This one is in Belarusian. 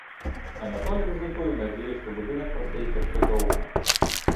Анатоль рызыкуе ў надзеі, што будынак прастаіць яшчэ доўга.